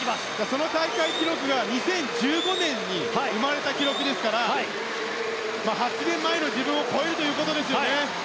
その大会記録が２０１５年に生まれたものですから８年前の自分を超えるということですね。